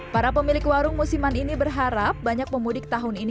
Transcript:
para pemilik warung musiman ini berharap banyak pemudik tahun ini